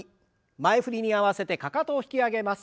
前振りに合わせてかかとを引き上げます。